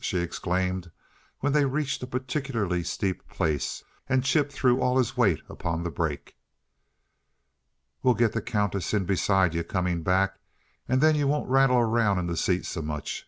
she exclaimed when they reached a particularly steep place and Chip threw all his weight upon the brake. "We'll get the Countess in beside yuh, coming back, and then yuh won't rattle around in the seat so much.